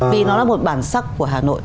vì nó là một bản sắc của hà nội